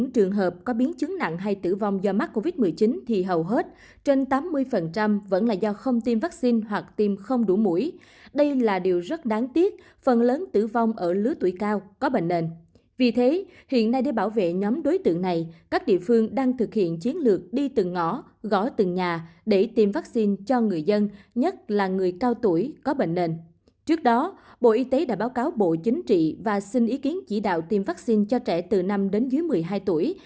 trước đó bộ y tế đã báo cáo bộ chính trị và xin ý kiến chỉ đạo tiêm vaccine cho trẻ từ năm đến dưới một mươi hai tuổi